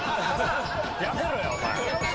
やめろやお前。